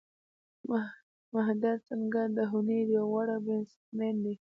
مهندر سنگھ دهوني یو غوره بېټسمېن دئ.